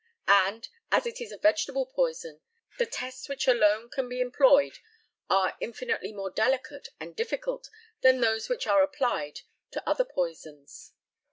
And, as it is a vegetable poison, the tests which alone can be employed are infinitely more delicate and difficult than those which are applied to other poisons.